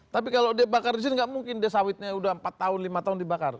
tapi kalau dia bakar di sini nggak mungkin dia sawitnya udah empat tahun lima tahun dibakar